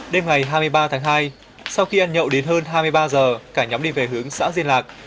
đêm ngày hai mươi ba tháng hai sau khi ăn nhậu đến hơn hai mươi ba giờ cả nhóm đi về hướng xã diên lạc